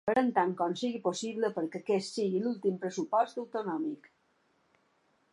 Farem tant com sigui possible perquè aquest sigui l’últim pressupost autonòmic.